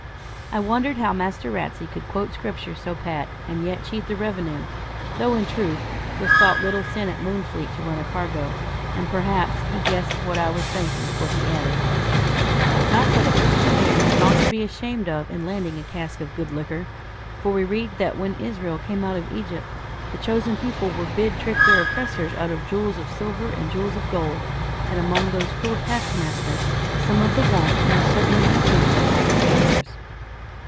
I wondered how Master Ratsey could quote Scripture so pat, and yet cheat the revenue; though, in truth, 'twas thought little sin at Moonfleet to run a cargo; and, perhaps, he guessed what I was thinking, for he added 'Not that a Christian man has aught to be ashamed of in landing a cask of good liquor, for we read that when Israel came out of Egypt, the chosen people were bid trick their oppressors out of jewels of silver and jewels of gold; and among those cruel taskmasters, Some of the worst must certainly have been the tax gatherers.'